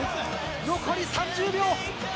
残り３０秒。